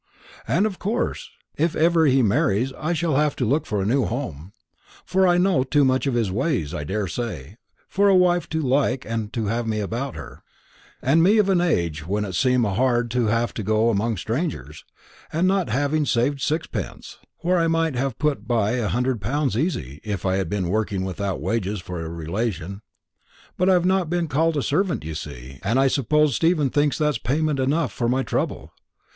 And of course, if ever he marries, I shall have to look for a new home; for I know too much of his ways, I daresay, for a wife to like to have me about her and me of an age when it seem a hard to have to go among strangers and not having saved sixpence, where I might have put by a hundred pounds easy, if I hadn't been working without wages for a relation. But I've not been called a servant, you see; and I suppose Stephen thinks that's payment enough for my trouble.